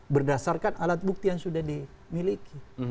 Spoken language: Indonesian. berdasarkan alat bukti yang sudah dimiliki